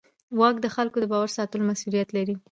واک د خلکو د باور ساتلو مسوولیت لري.